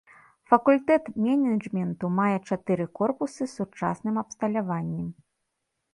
Факультэт менеджменту мае чатыры корпусы з сучасным абсталяваннем.